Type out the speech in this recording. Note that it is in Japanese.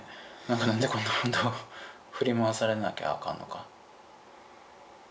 何でこんなほんと振り回されなきゃあかんのか。